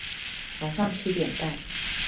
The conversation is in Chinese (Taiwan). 晚上七點半